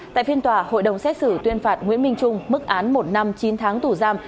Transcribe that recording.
tại phiên tòa hội đồng xét xử tuyên phạt nguyễn minh trung mức án một năm chín tháng tù giam